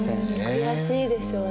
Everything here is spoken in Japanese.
悔しいでしょうね。